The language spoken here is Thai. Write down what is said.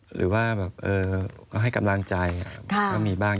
หรือว่าแบบก็ให้กำลังใจก็มีบ้าง